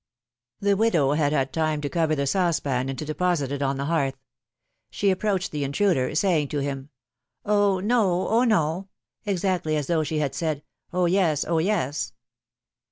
^^ The widow had had time to cover the saucepan and to deposit it on the hearth ; she approached the intruder, saying to him : Oh I no ; oh ! no ! exactly as though she had said ; Oh I yes ; oh 1 yes